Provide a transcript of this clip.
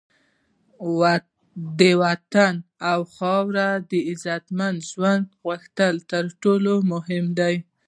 د وطن او خاوره د عزتمند ژوند غوښتنه تر ټولو مهمه ده.